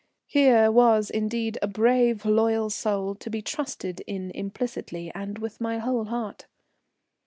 Here was, indeed, a brave, loyal soul, to be trusted in implicitly, and with my whole heart.